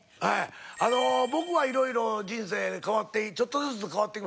あの僕は色々人生で変わってちょっとずつ変わっていく。